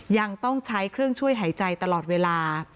ยังต้องใช้เครื่องช่วยหายใจตลอดเวลา